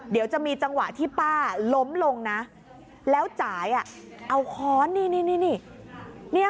เดี๋ยวจะมีจังหวะที่ป้าล้มลงนะแล้วจ่ายเอาค้อนนี่